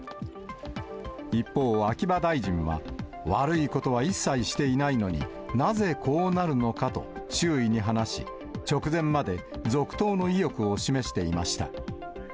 一方、秋葉大臣は、悪いことは一切していないのになぜこうなるのかと周囲に話し、直前まで続投の意欲を示していました。